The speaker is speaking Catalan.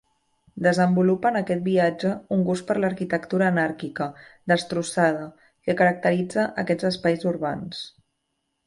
Desenvolupa en aquest viatge un gust per l'arquitectura anàrquica, destrossada, que caracteritza aquests espais urbans.